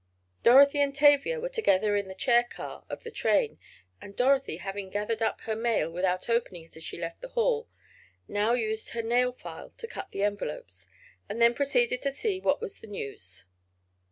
Dorothy and Tavia were together in the chair car of the train; and Dorothy, having gathered up her mail without opening it as she left the hall, now used her nail file to cut the envelopes, and then proceeded to see what was the news.